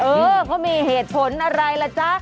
เออเขามีเหตุผลอะไรล่ะจ๊ะ